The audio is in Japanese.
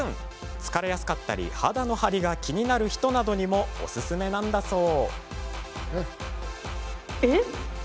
疲れやすかったり肌の張りが気になる人などにもおすすめなんだそう。